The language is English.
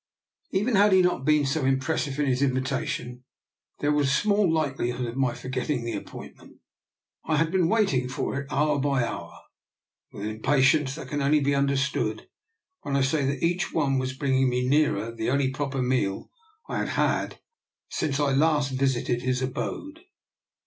Even had he not been so impressive in his invitation there was small likelihood of my forgetting the appointment. I had been waiting for it, hour by hour, with an impa tience that can only be understood when I say that each one was bringing me nearer the only proper meal I had had since I last visited his abode.